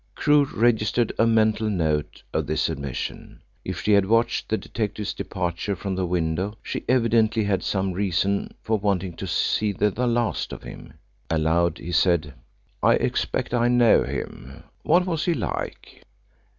Crewe registered a mental note of this admission. If she had watched the detective's departure from the window she evidently had some reason for wanting to see the last of him. Aloud he said: "I expect I know him. What was he like?"